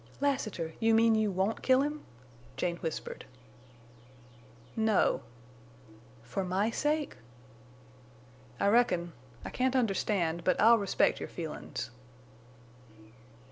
"Lassiter! You mean you won't kill him?" Jane whispered. "No." "For my sake?" "I reckon. I can't understand, but I'll respect your feelin's."